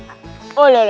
aduh aduh aduh